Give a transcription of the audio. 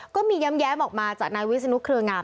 ก็มีย้ำแย้มออกมาจากนายวิสนุฆรงาม